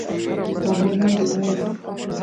لاهوریان بیا وایي.